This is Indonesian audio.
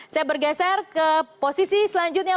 saya bergeser ke posisi selanjutnya